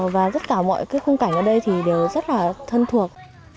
và tất cả mọi cái khung cảnh ở đây thì đều rất là thân thuộc